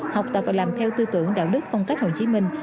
học tập và làm theo tư tưởng đạo đức phong cách hồ chí minh